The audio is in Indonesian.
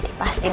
adi pasti dateng